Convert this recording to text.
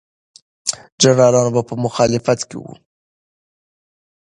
جنرالان په مخالفت کې وو.